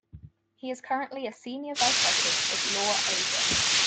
He is currently a senior Vice-President of Law Asia.